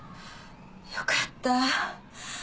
よかった。